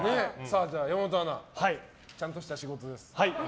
じゃあ、山本アナちゃんとした仕事です。